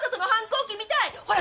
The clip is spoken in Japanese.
ほら！